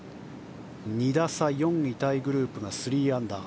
２打差、４位タイグループが３アンダー。